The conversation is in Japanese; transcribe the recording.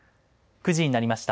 ９時になりました。